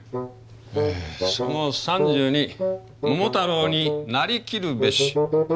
「その３２桃太郎になりきるべし」。